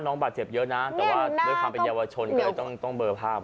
น้องบาดเจ็บเยอะนะแต่ว่าด้วยความเป็นเยาวชนก็เลยต้องเบอร์ภาพ